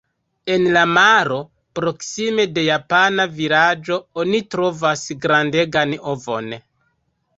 En la maro, proksime de japana vilaĝo oni trovas grandegan ovon.